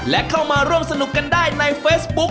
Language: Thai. และเข้ามาร่วมสนุกกันได้ในเฟซบุ๊ค